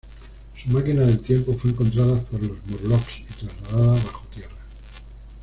Su máquina del tiempo fue encontrada por los Morlocks y trasladada bajo tierra.